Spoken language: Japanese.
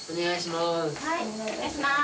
お願いします。